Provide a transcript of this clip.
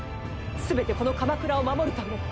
全てこの鎌倉を守るため。